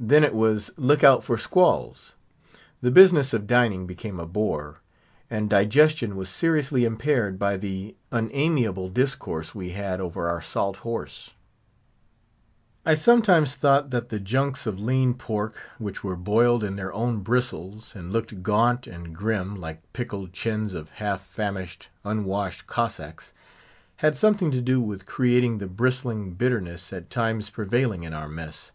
Then it was look out for squalls. The business of dining became a bore, and digestion was seriously impaired by the unamiable discourse we had over our salt horse. I sometimes thought that the junks of lean pork—which were boiled in their own bristles, and looked gaunt and grim, like pickled chins of half famished, unwashed Cossacks—had something to do with creating the bristling bitterness at times prevailing in our mess.